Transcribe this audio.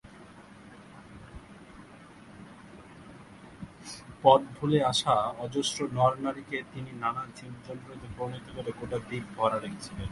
পথ ভুলে আসা অজস্র নর নারী কে তিনি নানা জীব জন্তু তে পরিণত করে গোটা দ্বীপ ভরা রেখেছিলেন।